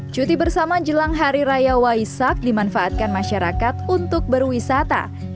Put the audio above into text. cuti bersama jelang hari raya waisak dimanfaatkan masyarakat untuk berwisata